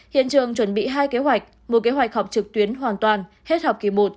hiện trường chuẩn bị hai kế hoạch một kế hoạch học trực tuyến hoàn toàn hết học kỳ một